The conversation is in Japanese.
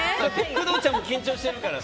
工藤ちゃんも緊張してるから。